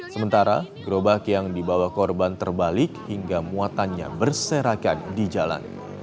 sementara gerobak yang dibawa korban terbalik hingga muatannya berserakan di jalan